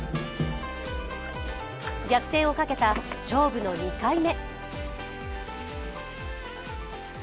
逆転をかけた勝負の２回目。